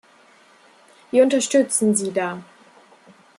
Wir unterstützen Sie da!